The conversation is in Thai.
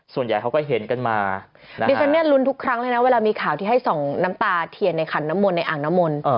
ส่วนใหญ่เขาก็เห็นกันมาดิฉันเนี่ยลุ้นทุกครั้งเลยนะเวลามีข่าวที่ให้ส่องน้ำตาเทียนในขันน้ำมนต์ในอ่างน้ำมนต์